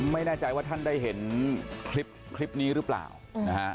ไม่แน่ใจว่าท่านได้เห็นคลิปนี้หรือเปล่านะฮะ